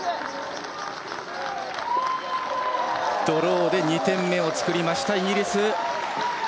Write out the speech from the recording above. ドローで２点目を作りました、イギリス！